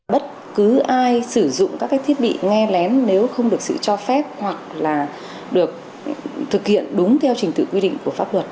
bất cứ ai sử dụng các thiết bị nghe lén nếu không được sự cho phép hoặc là được thực hiện đúng theo trình tự quy định của pháp luật